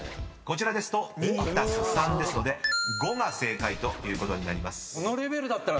こちらですと二足す三ですので「５」が正解ということになります］